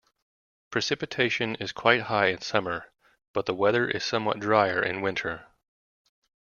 Precipitation is quite high in summer, but the weather is somewhat drier in winter.